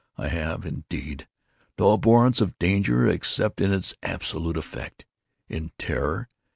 I have, indeed, no abhorrence of danger, except in its absolute effect—in terror.